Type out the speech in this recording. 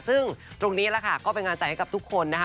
ซึ่งตรงนี้ก็เป็นกำลังใจให้กับทุกคนนะคะ